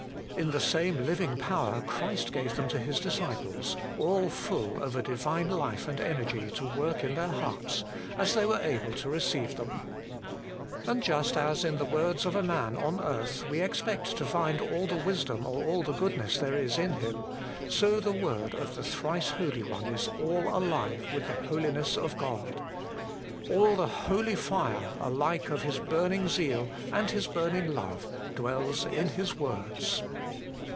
In the same living power Christ gave them to His disciples, all full of a Divine life and energy to work in their hearts, as they were able to receive them. And just as in the words of a man on earth we expect to find all the wisdom or all the goodness there is in him, so the word of the Thrice Holy One is all alive with the Holiness of God. All the holy fire, alike of His burning zeal and His burning love, dwells in His words.